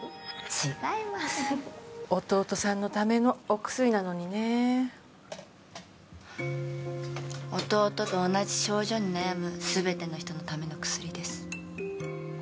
違います弟さんのためのお薬なのにね弟と同じ症状に悩む全ての人のための薬です